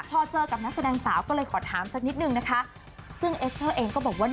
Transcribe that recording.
พอเจอกับนักแสดงสาวก็เลยขอถามสักนิดนึงนะคะซึ่งเอสเตอร์เองก็บอกว่า